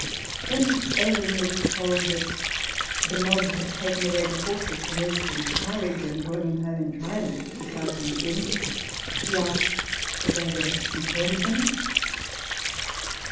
When Eldon was 90 RECOLLECTIONS OF THE told that the mob had taken away the horses from Erskine's carriage, and drawn him home in triumph to Sergeants' Inn, he asked, " If they had ever returned them